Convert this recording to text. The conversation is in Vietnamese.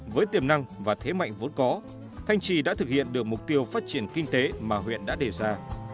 với tiềm năng và thế mạnh vốn có thanh trì đã thực hiện được mục tiêu phát triển kinh tế mà huyện đã đề ra